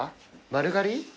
丸刈り？